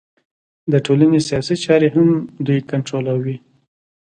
د ټولنې سیاسي چارې هم دوی کنټرولوي